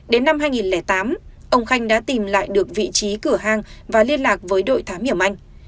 đến năm hai nghìn tám ông khanh đã tìm lại được vị trí cửa hàng và liên lạc với đội thám hiểm anh